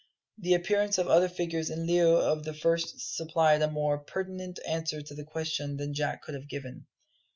The appearance of other figures in lieu of the first supplied a more pertinent answer to this question than Jack could have given.